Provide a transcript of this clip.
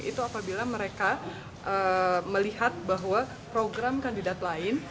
itu apabila mereka melihat bahwa program kandidat lain